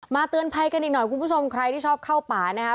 เตือนภัยกันอีกหน่อยคุณผู้ชมใครที่ชอบเข้าป่านะครับ